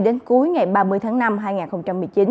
đến cuối ngày ba mươi tháng năm hai nghìn một mươi chín